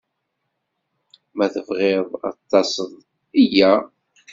Ma tebɣiḍ ad d-taseḍ, yya.